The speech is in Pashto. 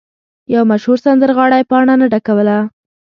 یو مشهور سندرغاړی پاڼه نه ډکوله.